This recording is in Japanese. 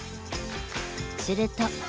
すると。